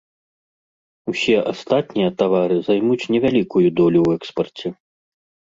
Усе астатнія тавары займаюць невялікую долю ў экспарце.